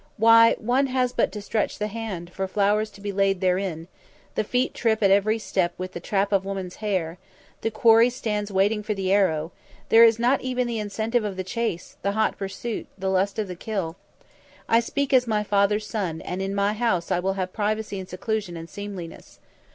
Why, one has but to stretch the hand, for flowers to be laid therein; the feet trip at every step with the trap of woman's hair; the quarry stands waiting for the arrow; there is not even the incentive of the chase, the hot pursuit, the lust of the kill. I speak as my father's son, and in my house I will have privacy and seclusion and seemliness.